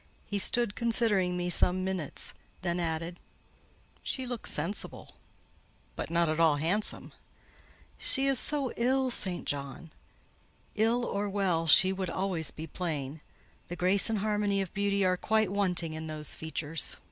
He stood considering me some minutes; then added, "She looks sensible, but not at all handsome." "She is so ill, St. John." "Ill or well, she would always be plain. The grace and harmony of beauty are quite wanting in those features."